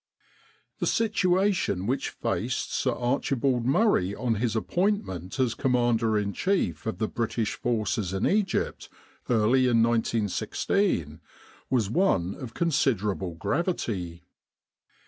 The situation which faced Sir Archibald Murray on his appointment as Commander in Chief of the British Forces in Egypt early in 1916, was one of considerable gravity.